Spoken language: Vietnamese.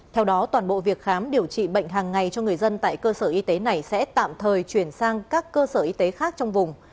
theo đó toàn bộ việc khám điều trị bệnh hàng ngày cho người dân tại cơ sở y tế này sẽ tạm thời chuyển sang các cơ sở y tế khác trong vùng